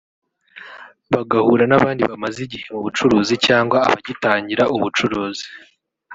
… bagahura n’abandi bamaze igihe mu bucuruzi cyangwa abagitangira ubucuruzi